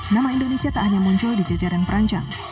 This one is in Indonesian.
nama indonesia tak hanya muncul di jajaran perancang